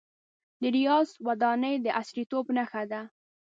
د ریاض ودانۍ د عصریتوب نښه ده.